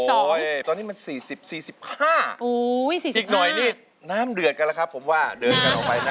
ตอนนี้มัน๔๐๔๕อีกหน่อยนี่น้ำเดือดกันแล้วครับผมว่าเดินกันออกไปนะ